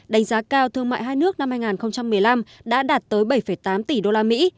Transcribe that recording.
đánh giá cao thương mại hai nước năm hai nghìn một mươi năm đã đạt tới bảy tám tỷ usd